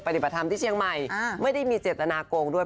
ปฏิบัติธรรมที่เชียงใหม่ไม่ได้มีเจตนาโกงด้วย